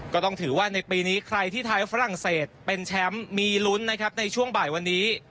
ก็ต้องถือว่าในปีนี้ใครที่ไทยฝรั่งเศสเป็นแชมป์มีลุ้นนะครับในช่วงบ่ายวันนี้